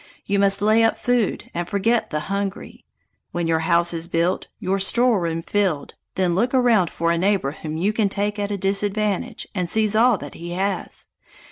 You must lay up food, and forget the hungry. When your house is built, your storeroom filled, then look around for a neighbor whom you can take at a disadvantage, and seize all that he has!